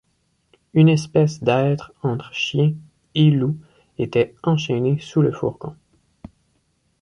Une espèce d’être entre chien et loup était enchaîné sous le fourgon.